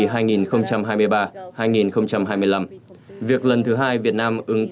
việc lần thứ hai việt nam ứng cử thành viên hội đồng nhân quyền liên hợp quốc